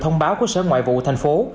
thông báo khu sở ngoại vụ thành phố